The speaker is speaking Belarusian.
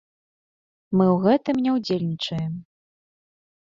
Мы ў гэтым не ўдзельнічаем.